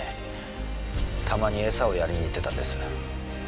たまに餌をやりに行ってたんです。